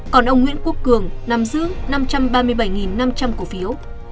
còn ông nguyễn quốc cường nắm giữ năm trăm ba mươi bảy năm trăm linh cổ phiếu